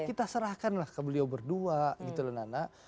kita serahkan lah ke beliau berdua gitu loh nana